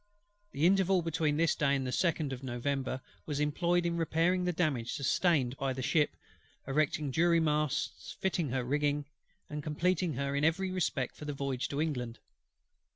The interval between this day and the 2nd of November was employed in repairing the damage sustained by the ship, erecting jury masts, fitting her rigging, and completing her in every respect for the voyage to England.